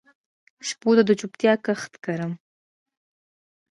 شپو ته د چوپتیا کښت کرم